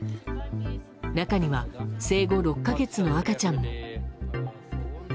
中には生後６か月の赤ちゃんも。